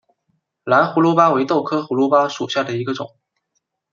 蓝胡卢巴为豆科胡卢巴属下的一个种。